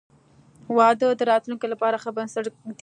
• واده د راتلونکي لپاره ښه بنسټ ږدي.